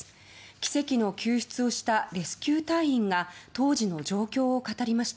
奇跡の救出をしたレスキュー隊員が当時の状況を語りました。